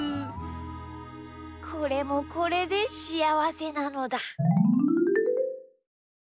これもこれでしあわせなのだ。